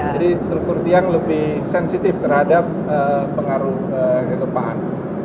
jadi struktur tiang lebih sensitif terhadap pengaruh kegempaan